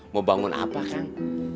mau bangun apa kang